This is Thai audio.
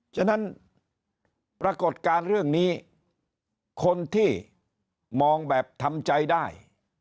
ฉะนั้นปรากฏการณ์เรื่องนี้คนที่มองแบบทำใจได้